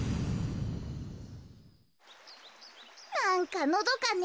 なんかのどかね。